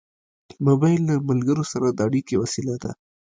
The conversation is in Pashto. موبایل له ملګرو سره د اړیکې وسیله ده.